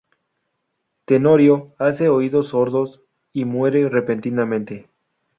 Tenorio hace oídos sordos y muere repentinamente.